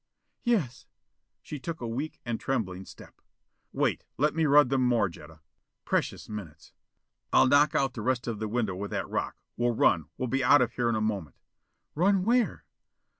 "Yes." She took a weak and trembling step. "Wait. Let me rub them more, Jetta." Precious minutes! "I'll knock out the rest of the window with that rock! We'll run; we'll be out of here in a moment." "Run where?"